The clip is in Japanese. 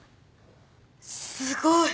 すごい！